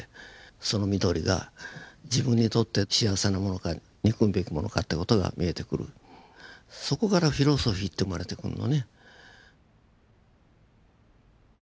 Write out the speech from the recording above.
その緑が自分にとって幸せなものか憎むべきものかって事が見えてくるそこからフィロソフィーって生まれてくんのね。